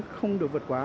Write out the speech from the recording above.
không được vượt qua